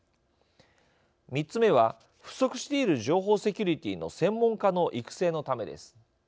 ３つ目は、不足している情報セキュリティーの専門家の育成のためです。